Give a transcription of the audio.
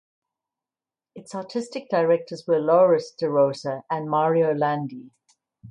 Its artistic directors were Loris de Rosa and Mario Landi.